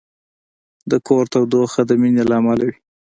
د کور تودوخه د مینې له امله وي.